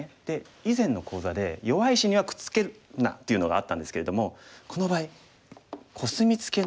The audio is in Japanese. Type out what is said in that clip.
以前の講座で弱い石にはくっつけるなというのがあったんですけれどもこの場合コスミツケの場合はいいんです。